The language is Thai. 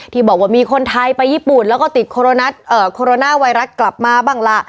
ที่บอกว่ามีคนไทยไปญี่ปุ่นแล้วก็ติดโคโรนาไวรัสกลับมาบ้างล่ะ